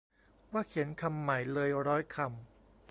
ว่าเขียนคำใหม่เลยร้อยคำ